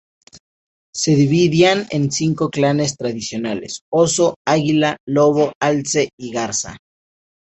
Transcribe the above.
Se dividían en cinco clanes tradicionales: "oso", "águila", "lobo", "alce" y "garza".